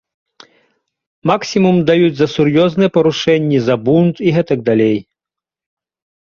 Максімум даюць за сур'ёзныя парушэнні, за бунт і гэтак далей.